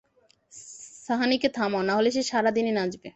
সাহানিকে থামাও, নাহলে সে সারা দিনই নাচবে।